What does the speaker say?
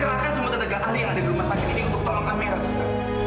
ya kerahkan semua tetangga alih yang ada di rumah tadi ini untuk tolong amira susah